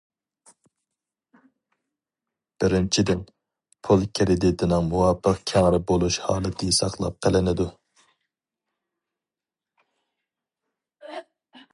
بىرىنچىدىن، پۇل كىرېدىتىنىڭ مۇۋاپىق كەڭرى بولۇش ھالىتى ساقلاپ قېلىنىدۇ.